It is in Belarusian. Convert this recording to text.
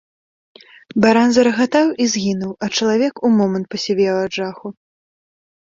Баран зарагатаў і згінуў, а чалавек у момант пасівеў ад жаху.